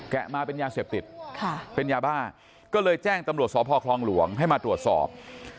มาเป็นยาเสพติดเป็นยาบ้าก็เลยแจ้งตำรวจสพคลองหลวงให้มาตรวจสอบ